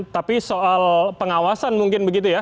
tapi soal pengawasan mungkin begitu ya